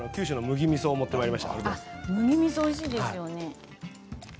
麦みそおいしいですよね。